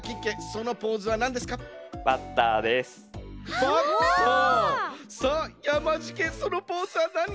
そのポーズはなに？